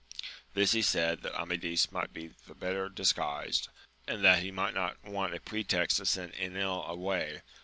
This he said that Amadis might be the better disguised, and that he might not want a pretext to send £nil away.